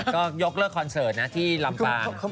ก็ยกเลิกคอนเสิร์ตนะที่ลำปาง